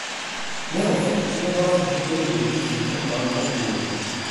Ne olsa, içimde bazı cihetlere doğru gizli birtakım arzular duyuyordum.